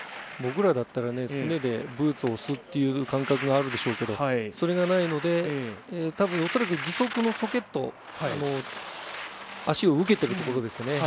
僕らだったらすねでブーツを押すという感覚があるでしょうけどそれがないので、恐らく義足のソケット足を受けているところですね。